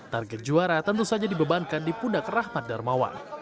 target juara tentu saja dibebankan di pundak rahmat darmawan